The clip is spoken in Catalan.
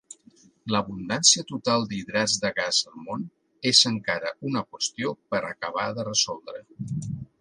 L'abundància total d'hidrats de gas al món és encara una qüestió per acabar de resoldre.